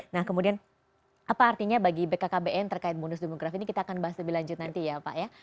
nah kemudian apa artinya bagi bkkbn terkait bonus demografi ini kita akan bahas lebih lanjut nanti ya pak ya